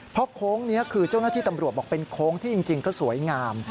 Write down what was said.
เพราะโค้งนี้คือเจ้าหน้าที่ตำรวจบอกเป็นโค้งที่จริงก็สวยงาม